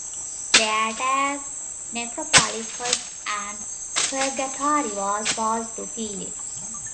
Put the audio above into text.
They attacked Necropolis first and Purgatori was forced to flee.